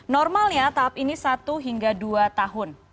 normalnya tahap ini satu hingga dua tahun